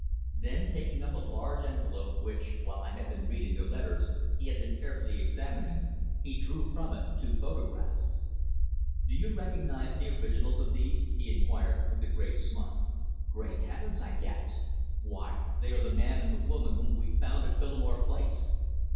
Then taking up a large envelope which, while I had been reading the letters, he had been carefully examining, he drew from it two photographs. "Do you recognise the originals of these?" he inquired with a grave smile. "Great Heavens!" I gasped. "Why, they are the man and the woman whom we found at Phillimore Place!"